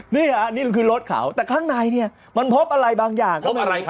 เนี้ยนี่คือรถขาวแต่ข้างในเนี้ยมันพบอะไรบางอย่าง